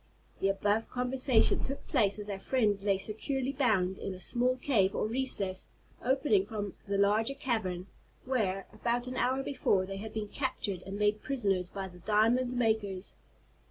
The above conversation took place as our friends lay securely bound in a small cave, or recess, opening from the larger cavern, where, about an hour before, they had been captured and made prisoners by the diamond makers.